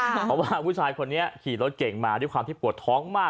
เพราะว่าผู้ชายคนนี้ขี่รถเก่งมาด้วยความที่ปวดท้องมาก